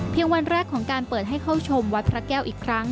วันแรกของการเปิดให้เข้าชมวัดพระแก้วอีกครั้ง